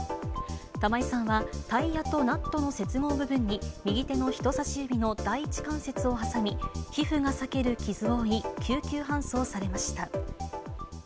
玉井さんはタイヤとナットの接合部分に右手の人さし指の第一関節を挟み、皮膚が裂ける傷を負い、救急搬送されました。